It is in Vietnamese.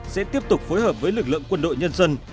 sẽ tiếp tục phối hợp với lực lượng quân đội nhân dân